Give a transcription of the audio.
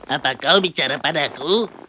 apa kau bicara padaku